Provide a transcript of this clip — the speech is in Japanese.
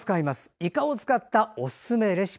いかを使ったおすすめレシピ